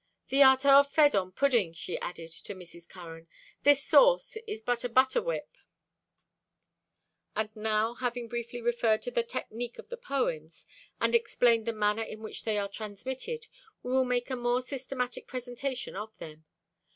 "Thee art o'erfed on pudding," she added to Mrs. Curran. "This sauce is but a butter whip." And now, having briefly referred to the technique of the poems, and explained the manner in which they are transmitted we will make a more systematic presentation of them.